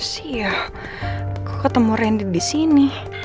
sia kok ketemu randy disini